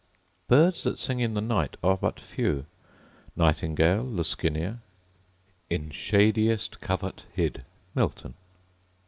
Birds that sing in the night are but few: Nightingale, Luscinia: 'In shadiest covert hid.'—MILTON.